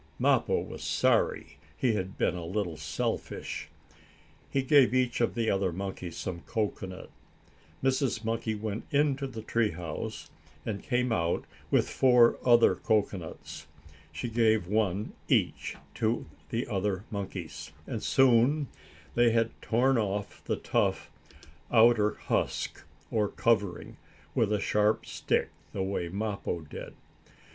Mappo was sorry he had been a little selfish. He gave each of the other monkeys some cocoanut. Mrs. Monkey went into the tree house and came out with four other cocoanuts. She gave one each to the other monkeys, and soon they had torn off the tough, outer husk, or covering, with a sharp stick, the way Mappo did.